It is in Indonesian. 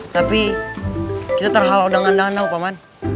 tapi kita terhalau dengan danau pak man